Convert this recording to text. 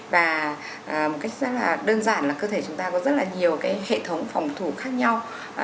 và một cách rất là đơn giản là cơ thể chúng ta có rất là nhiều hệ thống phòng thủ khác nhau